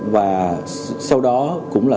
và sau đó cũng là